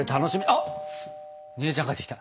あっ姉ちゃん帰ってきた！